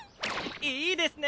いいですね！